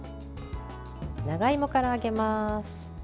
長芋から揚げます。